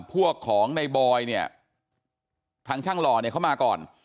พวกของในบอยเนี่ยทางช่างหล่อเนี่ยเขามาก่อน